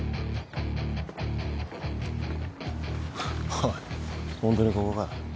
おいホントにここか？